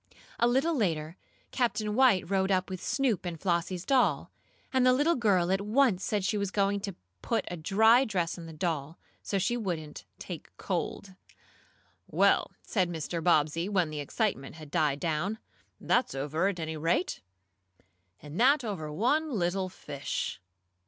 A little later Captain White rowed up with Snoop and Flossie's doll, and the little girl at once said she was going to put a dry dress on the doll, so she wouldn't "take cold." "Well," said Mr. Bobbsey, when the excitement had died down. "That's over, at any rate. All that over one little fish!"